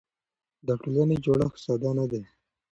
د ټولنې جوړښت ساده نه دی.